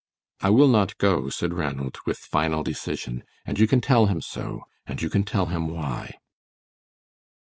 "I will not go," said Ranald, with final decision, "and you can tell him so, and you can tell him why."